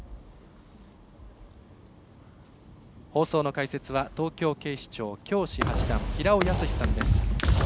放送の解説は東京警視庁教士八段平尾泰さんです。